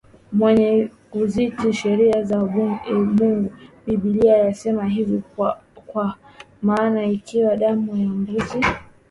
mwenyewe kuzitii sheria za Mungu Biblia yasema hivi Kwa maana ikiwa damu ya mbuzi